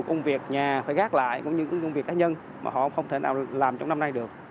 công việc nhà phải gác lại cũng như công việc cá nhân mà họ không thể nào làm trong năm nay được